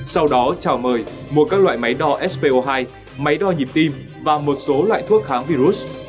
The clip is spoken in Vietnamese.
sau đó chào mời mua các loại máy đo spo hai máy đo nhịp tim và một số loại thuốc kháng virus